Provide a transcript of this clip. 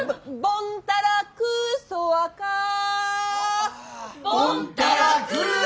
ボンタラクーソワカー。